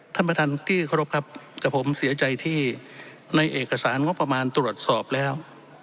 ท่านประธานที่เคารพครับแต่ผมเสียใจที่ในเอกสารงบประมาณตรวจสอบแล้ว